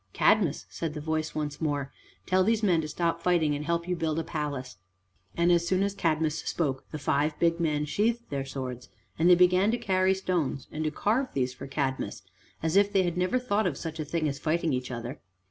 "Cadmus," said the voice once more, "tell these men to stop fighting and help you to build a palace." And as soon as Cadmus spoke, the five big men sheathed their swords, and they began to carry stones, and to carve these for Cadmus, as if they had never thought of such a thing as fighting each other!